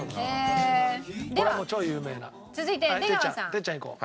哲ちゃんいこう。